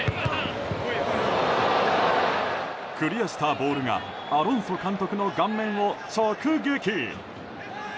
クリアしたボールがアロンソ監督の顔面を直撃。